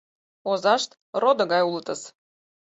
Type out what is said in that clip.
Озашт родо гай улытыс.